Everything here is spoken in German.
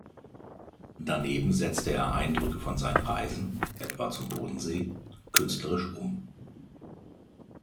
Daneben setzte er Eindrücke von seinen Reisen, etwa zum Bodensee, künstlerisch um.